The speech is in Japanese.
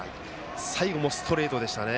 最後もストレートでしたね。